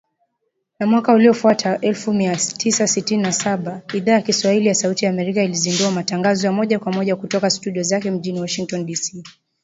Na mwaka uliofuata, elfu mia tisa sitini na saba, Idhaa ya Kiswahili ya Sauti ya Amerika ilizindua matangazo ya moja kwa moja kutoka studio zake mjini Washington dc.